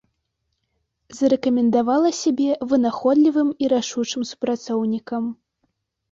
Зарэкамендавала сябе вынаходлівым і рашучым супрацоўнікам.